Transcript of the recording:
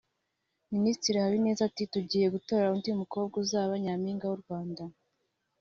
Minisitiri Habineza ati “Tugiye gutora undi mukobwa uzaba Nyampinga w’u Rwanda